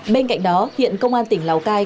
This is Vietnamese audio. bên cạnh đó hiện công an tỉnh lào cai